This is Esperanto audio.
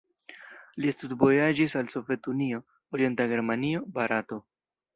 Li studvojaĝis al Sovetunio, Orienta Germanio, Barato.